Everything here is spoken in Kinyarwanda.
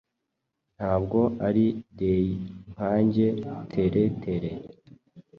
Ntabwo ari dey nkanjye tele tele